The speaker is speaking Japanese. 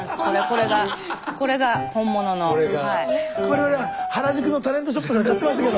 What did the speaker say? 我々は原宿のタレントショップなんか行ってましたけど。